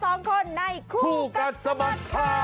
สองคนในคู่กัดสะบด